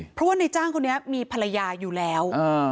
เพราะว่าในจ้างคนนี้มีภรรยาอยู่แล้ว